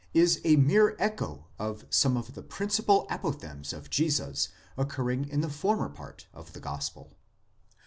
* is a mere echo of some of the principal. apoph thegms of Jesus occurring in the former part of the gospel.